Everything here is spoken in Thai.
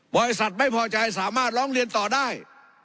บริษัทไม่พอใจสามารถร้องเรียนต่อได้